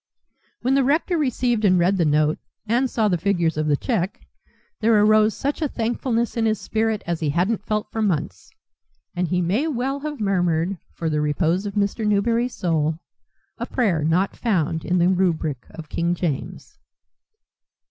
When the rector received and read the note and saw the figures of the cheque, there arose such a thankfulness in his spirit as he hadn't felt for months, and he may well have murmured, for the repose of Mr. Newberry's soul, a prayer not found in the rubric of King James.